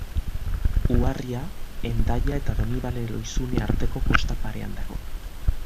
Uharria Hendaia eta Donibane-Lohizune arteko kosta parean dago.